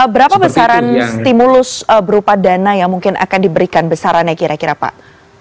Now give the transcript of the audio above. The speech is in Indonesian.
berapa besaran stimulus berupa dana yang mungkin akan diberikan besarannya kira kira pak